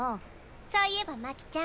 そういえば真姫ちゃん。